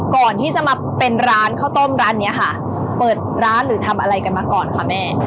ก่อนที่จะมาเป็นร้านข้าวต้มร้านเนี้ยค่ะเปิดร้านหรือทำอะไรกันมาก่อนค่ะแม่